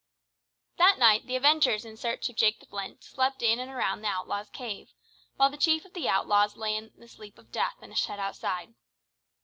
That night the avengers in search of Jake the Flint slept in and around the outlaws' cave, while the chief of the outlaws lay in the sleep of death in a shed outside.